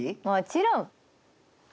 もちろん！